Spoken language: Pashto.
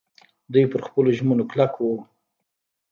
دوی په خپلو ژمنو کلک وو.